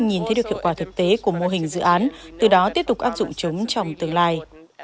nhìn thấy được hiệu quả thực tế của mô hình dự án từ đó tiếp tục áp dụng chúng trong tương lai